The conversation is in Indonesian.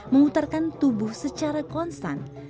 mengutarkan tubuh secara konstan